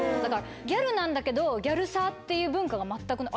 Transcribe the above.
ギャルなんだけどギャルサーっていう文化が全くない。